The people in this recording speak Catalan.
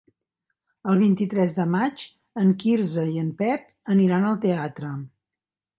El vint-i-tres de maig en Quirze i en Pep aniran al teatre.